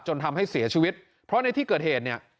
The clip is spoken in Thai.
ทำให้เสียชีวิตเพราะในที่เกิดเหตุเนี่ย